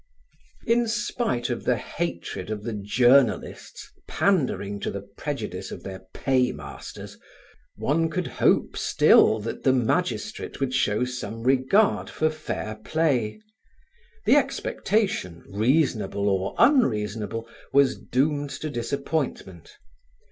In spite of the hatred of the journalists pandering to the prejudice of their paymasters, one could hope still that the magistrate would show some regard for fair play. The expectation, reasonable or unreasonable, was doomed to disappointment.